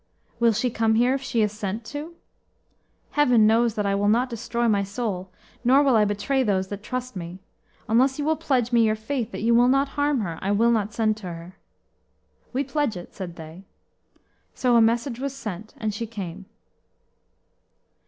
"Will she come here if she is sent to?" "Heaven knows that I will not destroy my soul, nor will I betray those that trust me; unless you will pledge me your faith that you will not harm her, I will not send to her." "We pledge it," said they. So a message was sent, and she came.